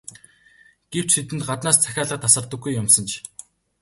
Гэвч тэдэнд гаднаас захиалга тасардаггүй юмсанж.